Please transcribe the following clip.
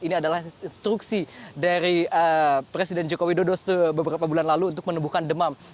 ini adalah instruksi dari presiden joko widodo sebeberapa bulan lalu untuk menumbuhkan demam